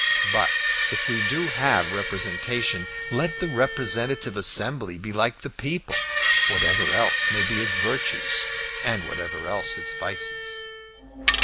But if we do have representation, let the representative assembly be like the people, whatever else may be its virtues, and whatever else its vices.